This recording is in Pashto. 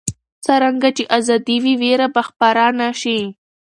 څرنګه چې ازادي وي، ویره به خپره نه شي.